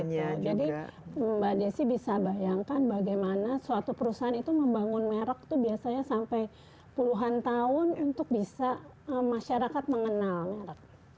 jadi mbak desi bisa bayangkan bagaimana suatu perusahaan itu membangun merek itu biasanya sampai puluhan tahun untuk bisa masyarakat mengenal merek